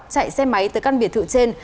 chạy xe máy từ căn biệt thự trên